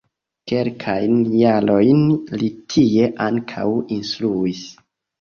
Kelkajn jarojn li tie ankaŭ instruis.